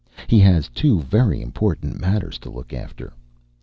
He has two very important matters to look after.